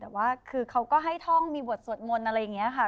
แต่ว่าคือเขาก็ให้ท่องมีบทสวดมนต์อะไรอย่างนี้ค่ะ